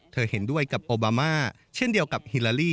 เห็นด้วยกับโอบามาเช่นเดียวกับฮิลาลี